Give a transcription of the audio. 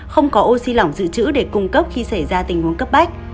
không có oxy lỏng dự trữ để cung cấp khi xảy ra tình huống cấp bách